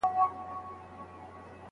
مشران کله د سوله ییز لاریون اجازه ورکوي؟